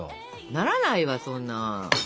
ならないわそんな。